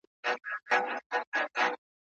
هره ورځ به تشېدله ډک خُمونه